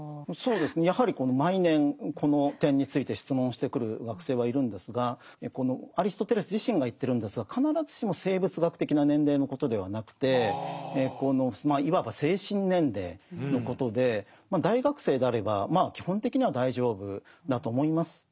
やはり毎年この点について質問してくる学生はいるんですがアリストテレス自身が言ってるんですが必ずしも生物学的な年齢のことではなくてまあいわば精神年齢のことで大学生であればまあ基本的には大丈夫だと思います。